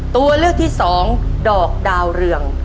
ตัวเลือกที่๒ดอกดาวเหลือง